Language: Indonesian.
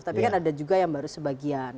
tapi kan ada juga yang baru sebagian